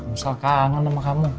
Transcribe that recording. om sal kangen sama kamu